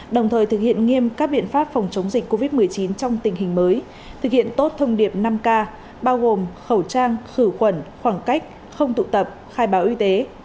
đồng thời thực hiện nghiêm các biện pháp phòng chống dịch covid một mươi chín trong tình hình mới thực hiện tốt thông điệp năm k bao gồm khẩu trang khử khuẩn khoảng cách không tụ tập khai báo y tế